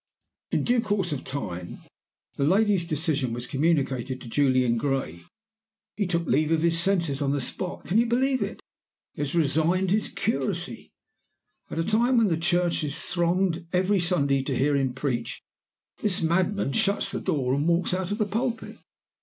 "In due course of time the lady's decision was communicated to Julian Gray. He took leave of his senses on the spot. Can you believe it? he has resigned his curacy! At a time when the church is thronged every Sunday to hear him preach, this madman shuts the door and walks out of the pulpit.